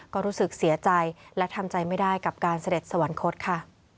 ก็รู้สึกเสียใจและทำใจไม่ได้กับการเสด็จสวรรคตค่ะ